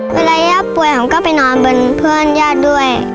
เวลาย่าป่วยผมก็ไปนอนบนเพื่อนญาติด้วย